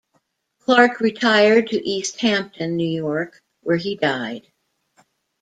Clark retired to East Hampton, New York, where he died.